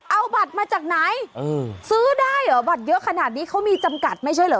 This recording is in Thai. เอาบัตรมาจากไหนซื้อได้เหรอบัตรเยอะขนาดนี้เขามีจำกัดไม่ใช่เหรอ